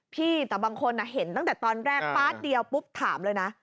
พี่แต่บางคนเห็นตั้งแต่ตอนแรกป๊าดเดียวปุ๊บถามเลยนะ